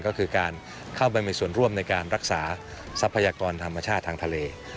ก็คือการเข้าไปมีส่วนร่วมในการรักษาทรัพยากรธรรมชาติทางทะเล